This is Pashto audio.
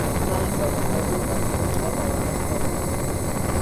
انسانانو له پرمختګونو مخکې نیم ستر حیوانات حذف کړل.